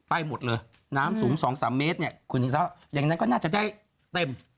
ไปหมดเลยน้ำสูง๒๓เมตรเนี่ยคุณหญิงสาวอย่างนั้นก็น่าจะได้เต็ม